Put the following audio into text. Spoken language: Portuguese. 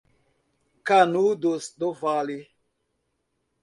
Canudos do Vale